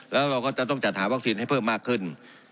แล้วเราก็จะต้องจัดหาวัคซีนให้เพิ่มมากขึ้น